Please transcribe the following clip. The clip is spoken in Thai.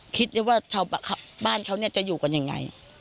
คิดว่าชาวบ้านเขาจะอยู่กันยังไง